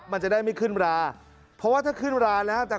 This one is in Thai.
มันจะได้ไม่ขึ้นราเพราะว่าถ้าขึ้นราแล้ว